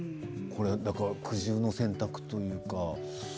苦渋の選択というか。